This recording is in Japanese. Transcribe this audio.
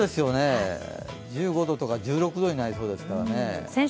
１５度とか１６度になりそうですからね。